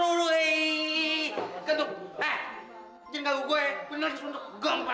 tentu eh jangan kaguk gue penelusur untuk gempar